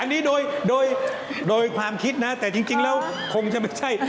อันนี้โดยโดยความคิดนะแต่จริงแล้วคงจะไม่ใช่